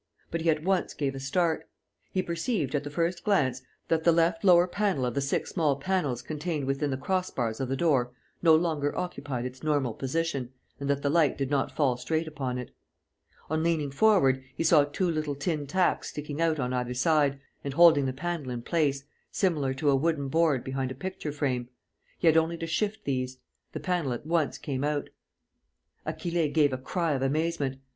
But he at once gave a start. He perceived, at the first glance, that the left lower panel of the six small panels contained within the cross bars of the door no longer occupied its normal position and that the light did not fall straight upon it. On leaning forward, he saw two little tin tacks sticking out on either side and holding the panel in place, similar to a wooden board behind a picture frame. He had only to shift these. The panel at once came out. Achille gave a cry of amazement.